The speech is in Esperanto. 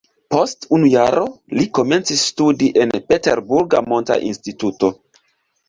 Post unu jaro li komencis studi en peterburga monta instituto.